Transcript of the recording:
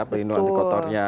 pelindung anti kotornya